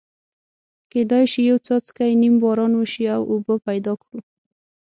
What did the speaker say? کېدای شي یو څاڅکی نیم باران وشي او اوبه پیدا کړو.